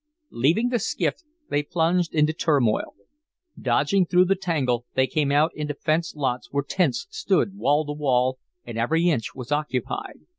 Leaving the skiff, they plunged into turmoil. Dodging through the tangle, they came out into fenced lots where tents stood wall to wall and every inch was occupied.